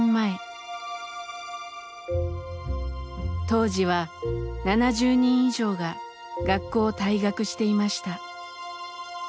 当時は７０人以上が学校を退学していました。